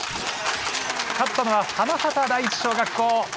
勝ったのは花畑第一小学校。